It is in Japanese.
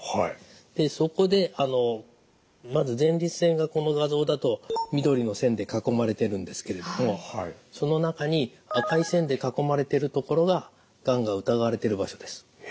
そこでまず前立腺がこの画像だと緑の線で囲まれてるんですけれどもその中に赤い線で囲まれてる所ががんが疑われてる場所です。